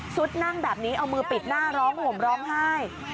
นั่งแบบนี้เอามือปิดหน้าร้องห่มร้องไห้